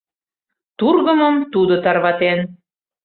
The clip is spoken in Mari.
— Тургымым тудо тарватен.